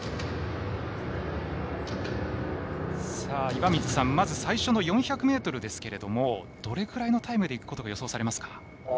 岩水さん、まず最初の４００ｍですけれどもどれぐらいのタイムでいくこと予想されますか？